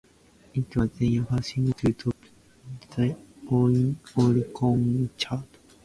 It was their first single to top the Oricon chart.